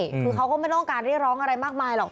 คือเขาก็ไม่ต้องการเรียกร้องอะไรมากมายหรอก